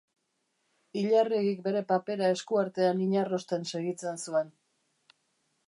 Ilarregik bere papera esku artean inarrosten segitzen zuen.